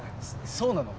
そうなの？